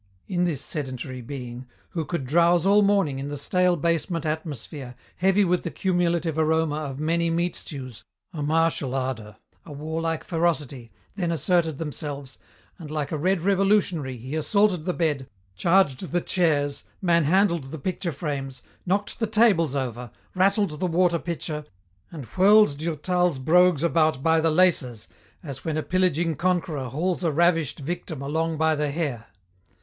In this sedentary being, who could drowse all morning in the stale basement atmosphere heavy with the cumulative aroma of many meat stews, a martial ardour, a warlike ferocity, then asserted themselves, and like a red revolutionary he assaulted the bed, charged the chairs, manhandled the picture frames, knocked the tables over, rattled the water pitcher, and whirled Durtal's brogues about by the laces as when a pillaging conqueror hauls a ravished victim along by the hair.